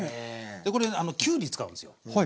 これきゅうり使うんですよ。